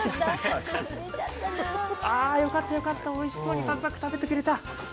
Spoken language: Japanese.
よかったよかった、おいしそうにパクッと食べてくれた。